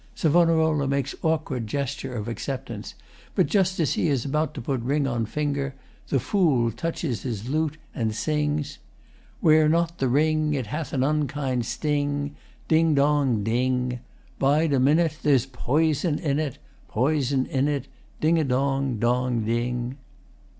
SAV. makes awkward gesture of acceptance, but just as he is about to put ring on finger, the FOOL touches his lute and sings: ] Wear not the ring, It hath an unkind sting, Ding, dong, ding. Bide a minute, There's poison in it, Poison in it, Ding a dong, dong, ding.